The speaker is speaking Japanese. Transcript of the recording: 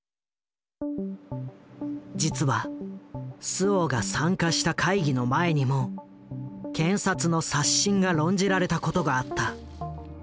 実は周防が参加した会議の前にも検察の刷新が論じられたことがあった。